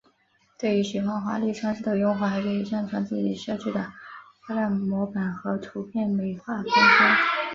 对于喜欢华丽装饰的用户还可以上传自己设计的漂亮模板和图片美化空间。